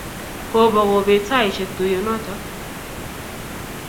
Kobo kopet saishek tuyenotok